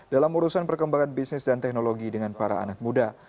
dalam urusan perkembangan bisnis dan teknologi dengan para anak muda